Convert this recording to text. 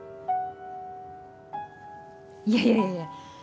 いやいやいやいや